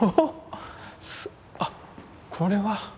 あっこれは。